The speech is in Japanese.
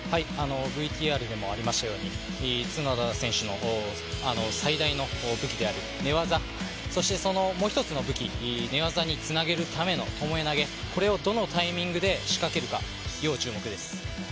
ＶＴＲでもありましたように、角田選手の最大の武器である寝技、そしてもう一つの武器、寝技につなげるためのともえ投げ、これをどのタイミングで仕掛けるか要注目です。